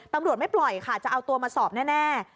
ตำรวจไม่ปล่อยค่ะจะเอาตัวมาสอบแน่